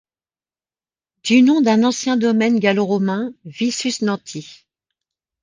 Du nom d’un ancien domaine gallo-romain Vicus Nanti.